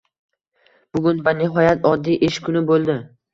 Bugun va nihoyat oddiy ish kuni bo`ldi